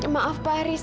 maaf pak haris